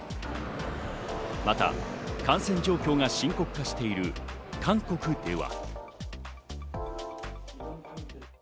また感染状況が深刻化している韓国では。